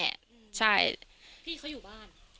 พี่เขาอยู่บ้าน